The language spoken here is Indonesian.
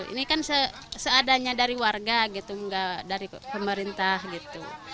ini kan seadanya dari warga gitu nggak dari pemerintah gitu